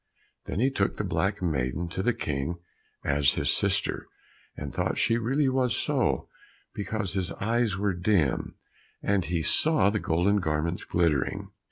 Then he took the black maiden to the King as his sister, and thought she really was so, because his eyes were dim, and he saw the golden garments glittering.